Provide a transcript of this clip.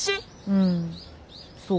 うんそう。